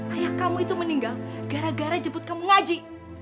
ayah kamu itu meninggal gara gara jemput kamu ngaji